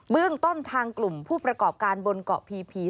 เรื่องต้นทางกลุ่มผู้ประกอบการบนเกาะพีพี